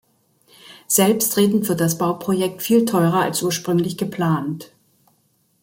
Selbstredend wird das Bauprojekt viel teurer als ursprünglich geplant.